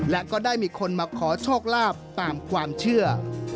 และก็ได้มีคนมาขอโชคลาภตามความเชื่อ